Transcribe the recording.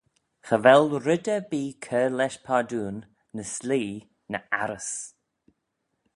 Cha vel red erbee cur lesh pardoon ny s'leaie na arrys.